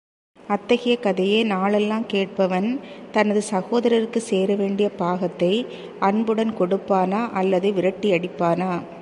அத்தகைய கதையை நாளெல்லாம் கேட்பவன் தனது சகோதரருக்குச் சேர வேண்டிய பாகத்தை அன்புடன் கொடுப்பானா அல்லது விரட்டியடிப்பானா.